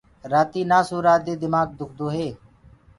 رآتي نآ سورآ دي دمآڪ دُکدوئي